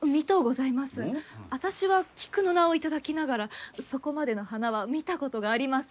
あたしは「菊」の名を頂きながらそこまでの花は見たことがありません。